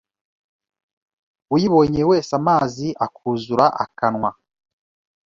uyibonye wese amazi akuzura akanwa